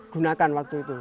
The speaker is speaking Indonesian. gunakan waktu itu